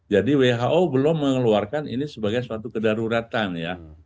jadi who belum mengeluarkan ini sebagai suatu kedaruratan ya